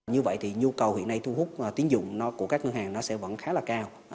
như vậy thì nhu cầu hiện nay thu hút tiến dụng của các ngân hàng nó sẽ vẫn khá là cao